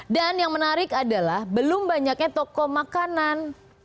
dan yang menarik adalah belum banyaknya toko makanan